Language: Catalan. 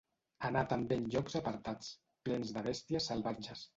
Anà també en llocs apartats, plens de bèsties salvatges.